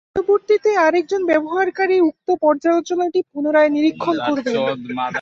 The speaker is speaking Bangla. পরবর্তীতে আরেকজন ব্যবহারকারী উক্ত পর্যালোচনাটি পুনরায় নিরীক্ষণ করবেন।